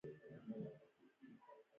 ښوروا د ډوډۍ بېله نه ګڼل کېږي.